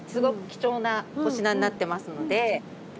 なお品になってますので。